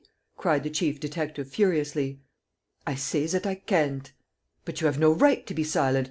cried the chief detective, furiously. "I say that I can't." "But you have no right to be silent.